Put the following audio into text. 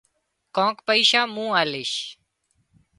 ڪانڪ پئيشا مُون آليش